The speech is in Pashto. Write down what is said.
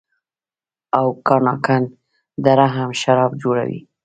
اوکاناګن دره هم شراب جوړوي.